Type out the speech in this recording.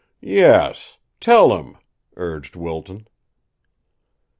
"Yes; tell him!" urged Wilton.